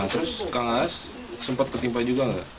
terus kang as sempat ketimpa juga nggak